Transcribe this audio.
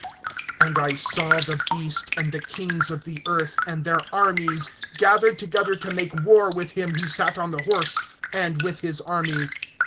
(19)And I saw the beast, and the kings of the earth, and their armies, gathered together to make war with him who sat on the horse, and with his army.